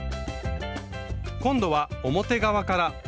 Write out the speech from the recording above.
今度は表側から。